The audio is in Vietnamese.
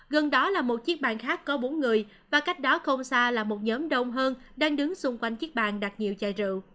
gần đó là một chiếc bàn khác có bốn người và cách đó không xa là một nhóm đông hơn đang đứng xung quanh chiếc bàn đặt nhiều chài rượu